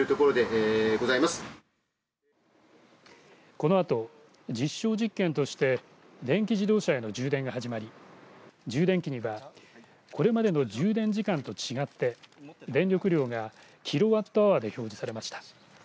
このあと実証実験として電気自動車への充電が始まり充電器にはこれまでの充電時間と違って電力量がキロワットアワーで表示されました。